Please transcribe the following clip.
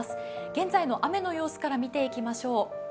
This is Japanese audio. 現在の雨の様子から見ていきましょう。